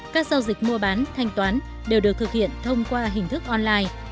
các giao dịch mua bán thanh toán đều được thực hiện thông qua hình thức online